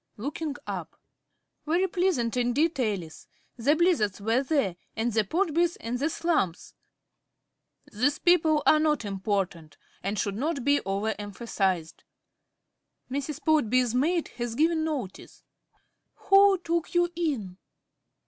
(Looking up.) Very pleasant indeed, Alice. The Blizzards were there, and the Podbys, and the Slumphs. (These people are not important and should not be over emphasised.) Mrs. Podby's maid has given notice. ~Alice.~ Who took you in?